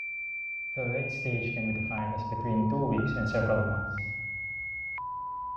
The late stage can be defined as between two weeks and several months.